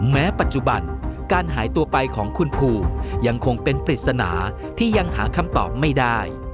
แม้ปัจจุบันการหายตัวไปของคุณภูยังคงเป็นปริศนาที่ยังหาคำตอบไม่ได้